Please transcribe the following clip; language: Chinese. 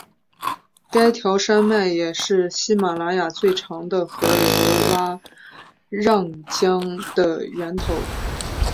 该条山脉也是马来西亚最长的河流拉让江的源头。